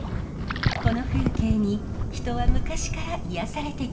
この風景に人は昔から癒やされてきました。